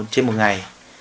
trên một ngày